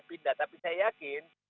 pindah tapi saya yakin